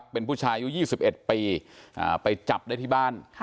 เป็นผู้ชายอายุ๒๑ปีไปจับได้ที่บ้าน